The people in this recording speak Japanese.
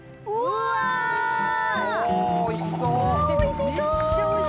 わっおいしそう！